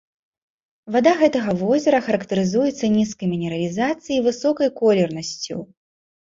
Вада гэтага возера характарызуецца нізкай мінералізацыяй і высокай колернасцю.